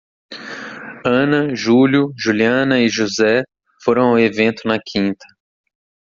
Ana, Júlio, Juliana e José foram ao evento na quinta.